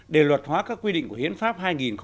để luật hóa các quy định của hiến pháp hai nghìn một mươi ba